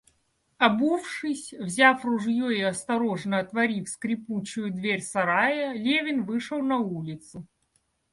Обувшись, взяв ружье и осторожно отворив скрипучую дверь сарая, Левин вышел на улицу.